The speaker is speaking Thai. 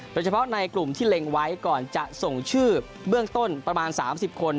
โดยเฉพาะในกลุ่มที่เล็งไว้ก่อนจะส่งชื่อเบื้องต้นประมาณ๓๐คน